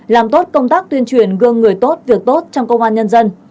làm tốt công tác tuyên truyền gương người tốt việc tốt trong công an nhân dân